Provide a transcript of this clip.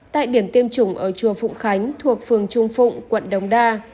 tại điểm tiêm chủng ở chùa phụng khánh thuộc phường trung phụng quận đồng đa